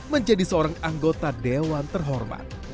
menjadi seorang anggota dewan terhormat